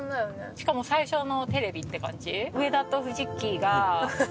しかも最初のテレビって感じ。